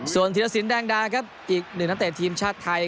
ส่วนธีรศิลป์แดงดาอีกหนึ่งนักเตรียมทีมชาติไทย